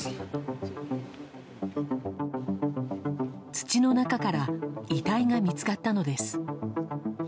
土の中から遺体が見つかったのです。